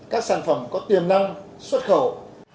các sản phẩm có tiềm năng xuất khẩu